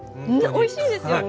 おいしいですよね。